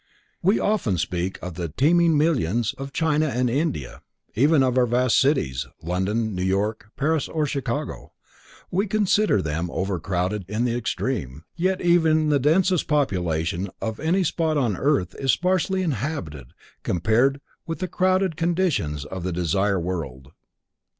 We often speak of the "teeming millions" of China and India, even of our vast cities, London, New York, Paris or Chicago, we consider them overcrowded in the extreme, yet even the densest population of any spot upon earth is sparsely inhabited compared with the crowded conditions of the Desire World.